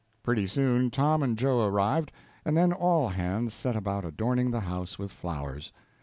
Pretty soon Tom and Joe arrived, and then all hands set about adorning the house with flowers.